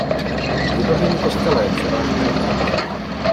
Vybavení kostela je převážně rokokové.